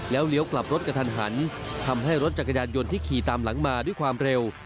เลี้ยวกลับรถกระทันหันทำให้รถจักรยานยนต์ที่ขี่ตามหลังมาด้วยความเร็ว